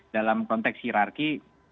dalam konteks hirarki